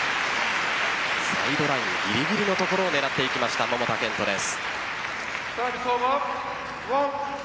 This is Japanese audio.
サイドラインぎりぎりのところを狙っていきました、桃田賢斗です。